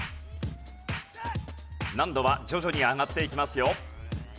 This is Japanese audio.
難度は徐々に上がっていきますよ。